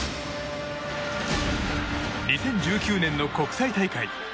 ２０１９年の国際大会。